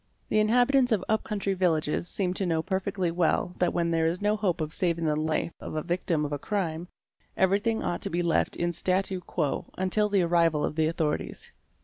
The inhabitants of up country villages seem to know perfectly well that where there is no hope of saving the life of a victim of a crime, every thing ought to be left am statw quo until the arrival of the authorities.